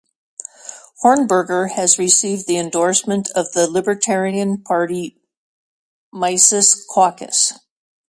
Hornberger has received the endorsement of the Libertarian Party Mises Caucus.